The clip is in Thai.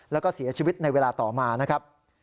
แล้วก็เสียชีวิตในเวลาต่อมานะครับ